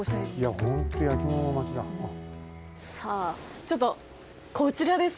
さあちょっとこちらです。